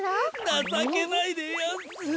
なさけないでやんす。